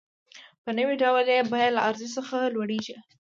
په نوي ډول یې بیه له ارزښت څخه لوړېږي